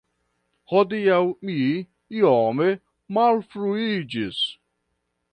Hodiaŭ mi iome malfruiĝis.